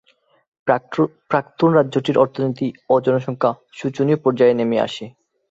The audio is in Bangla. প্রাক্তন রাজ্যটির অর্থনীতি ও জনসংখ্যা শোচনীয় পর্যায়ে নেমে আসে।